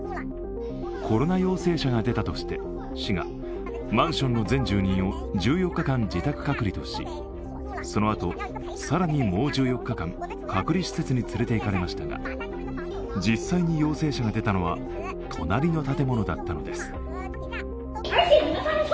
コロナ陽性者が出たとして市がマンションの全住人を１４日間自宅隔離とし、そのあと更にもう１４日間隔離施設に連れて行かれましたが実際に陽性者が出たのは隣の建物だったのです。